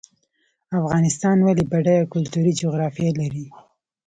افغانستان ولې بډایه کلتوري جغرافیه لري؟